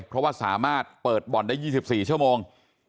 เพราะว่าสามารถเปิดบ่อนได้๒๔ชั่วโมง